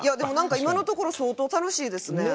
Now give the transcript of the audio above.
今のところ相当楽しいですね。